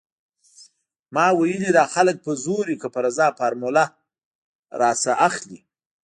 ما ويلې دا خلک په زور وي که په رضا فارموله رانه اخلي.